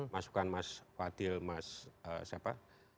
masukan mas watil mas siapa